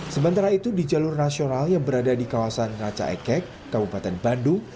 sementara itu di jalur nasional yang berada di kawasan racaekek kabupaten bandung